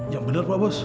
yang benar pak bos